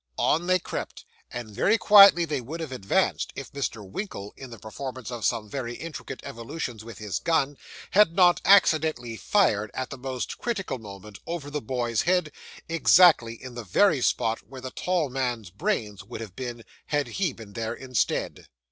On they crept, and very quietly they would have advanced, if Mr. Winkle, in the performance of some very intricate evolutions with his gun, had not accidentally fired, at the most critical moment, over the boy's head, exactly in the very spot where the tall man's brain would have been, had he been there instead.